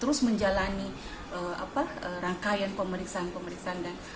terus menjalani rangkaian pemeriksaan pemeriksaan